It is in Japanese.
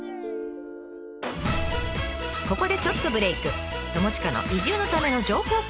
ここでちょっとブレーク。